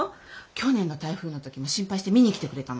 去年の台風の時も心配して見に来てくれたの。